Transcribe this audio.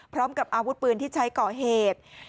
พร้อมกับอาวุธปืนที่ใช้ก่อเหตุ